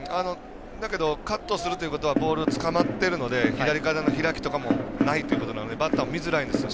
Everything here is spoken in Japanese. カットするということはボールつかまっているので左肩の開きとかもないということなのでバッターも見づらいです。